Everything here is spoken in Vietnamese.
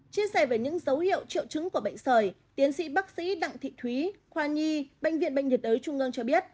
chia sẻ về những dấu hiệu triệu chứng của bệnh sởi tiến sĩ bác sĩ đặng thị thúy khoa nhi bệnh viện bệnh nhiệt đới trung ương cho biết